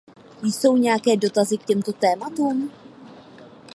Jsou nějaké dotazy k těmto tématům?